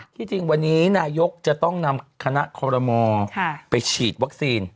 จริงวันนี้นายกจะต้องนำคณะคอรมอไปฉีดวัคซีน